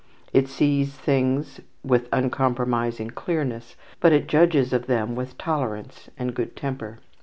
It sees things with uncompromising clearness, but it judges of them with tolerance and good temper.